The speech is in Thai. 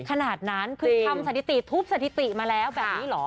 ขนาดนั้นคือทำสถิติทุบสถิติมาแล้วแบบนี้เหรอ